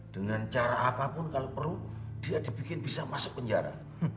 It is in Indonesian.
dengan cara apapun kalau perlu dia dibikin bisa masuk penjara